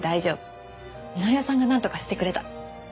紀夫さんがなんとかしてくれた。